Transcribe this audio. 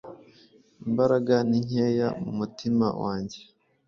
Imbaraga ninkeya mumutima wangee